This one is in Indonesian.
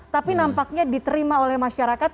tapi nampaknya diterima oleh masyarakat